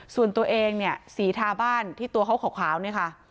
ส่วนตัวเองเนี่ยสีทาบ้านที่ตัวเขาขาวเนี่ยค่ะ